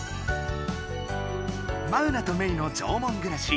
マウナとメイの縄文暮らし。